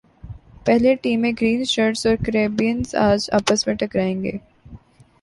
پہلے ٹی میں گرین شرٹس اور کیربیئنز اج پس میں ٹکرائیں گے